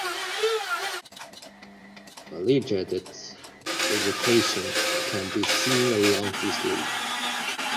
Variegated vegetation can be seen along this route.